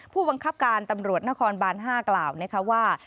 ผู้บังคับการตำรวจนครบาน๕กล่าวนะคะว่า